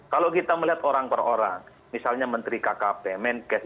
kalau kita melihat orang per orang misalnya menteri kkp menkes